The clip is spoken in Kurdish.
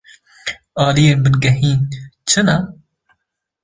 Aliyên bingehîn çi ne?